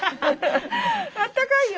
あったかいよ！